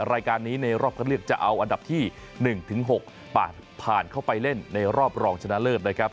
รายการนี้ในรอบคันเลือกจะเอาอันดับที่๑๖ผ่านเข้าไปเล่นในรอบรองชนะเลิศนะครับ